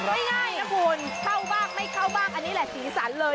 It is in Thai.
ง่ายนะคุณเข้าบ้างไม่เข้าบ้างอันนี้แหละสีสันเลย